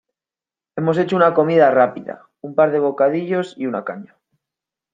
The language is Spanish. Hemos hecho una comida rápida; un par de bocadillos y una caña.